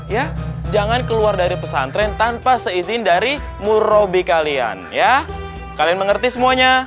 ya jangan keluar dari pesantren tanpa seizin dari murabi kalian ya kalian mengerti semuanya